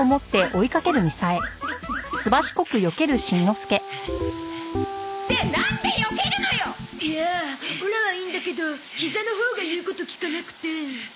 いやあオラはいいんだけどひざのほうが言うこと聞かなくて。